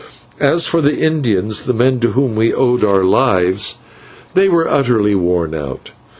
As for the Indians, the men to whom we owed our lives, they were utterly worn out.